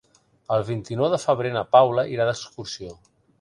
El vint-i-nou de febrer na Paula irà d'excursió.